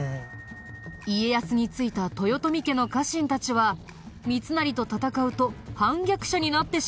家康についた豊臣家の家臣たちは三成と戦うと反逆者になってしまうかもしれない。